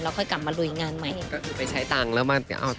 แล้วค่อยกลับมารุยงานใหม่